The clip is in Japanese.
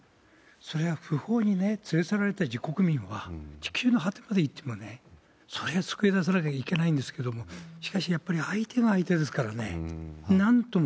それは不法にね、連れ去られた自国民は、地球の果てまで行ってもね、それは救い出さなきゃいけないんですけれども、しかし、やっぱり相手が相手ですからね、なんとも。